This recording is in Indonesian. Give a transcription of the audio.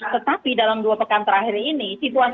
tetapi dalam dua pekan terakhir ini